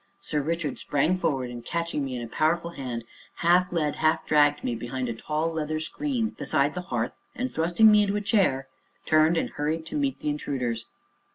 Sir Richard sprang forward, and, catching me in a powerful hand, half led, half dragged me behind a tall leather screen beside the hearth, and thrusting me into a chair, turned and hurried to meet the intruders.